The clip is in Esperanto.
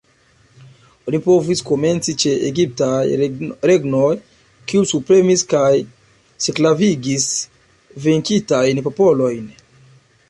Oni povus komenci ĉe egiptaj regnoj, kiuj subpremis kaj sklavigis venkitajn popolojn.